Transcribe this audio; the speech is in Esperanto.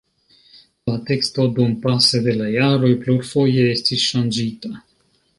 La teksto dumpase de la jaroj plurfoje estis ŝanĝita.